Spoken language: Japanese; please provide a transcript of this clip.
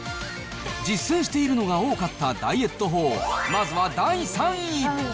実践しているのが多かったダイエット法、まずは第３位。